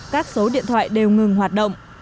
các số điện thoại đều ngừng hoạt động